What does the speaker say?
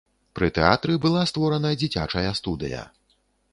Пры тэатры была створана дзіцячая студыя.